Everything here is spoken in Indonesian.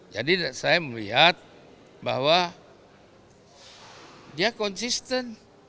jadi saya melihat bahwa dia konsisten